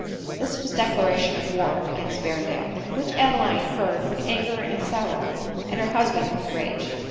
This was a declaration of war against Berrendale, which Adeline heard with anger and sorrow, and her husband with rage.